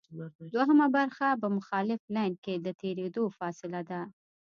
دوهمه برخه په مخالف لین کې د تېرېدو فاصله ده